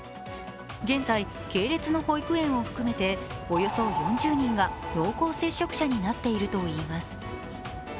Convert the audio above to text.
現在、系列の保育園を含めておよそ４０人が濃厚接触者になっているといいます。